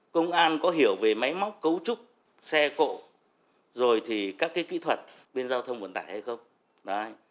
công an có hiểu về máy móc cấu trúc xe cộ rồi thì các cái kỹ thuật bên giao thông vận tải hay không